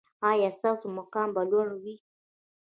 ایا ستاسو مقام به لوړ وي؟